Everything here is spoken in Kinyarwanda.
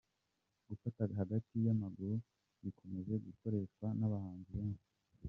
Gufata hagati y'amaguru bikomeje gukoreshwa n'abahanzi benshi.